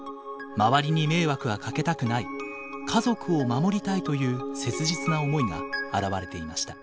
「周りに迷惑はかけたくない」「家族を守りたい」という切実な思いが表れていました。